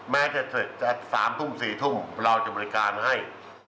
แม้จะเสร็จ๓๐๐๔๐๐นเราจะบริการให้